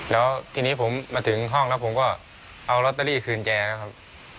แล้วทีนี้ผมมาถึงห้องแล้วผมก็เอาลอตเตอรี่คืนแกแล้วครับ